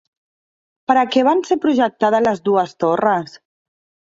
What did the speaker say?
Per a què van ser projectades les dues torres?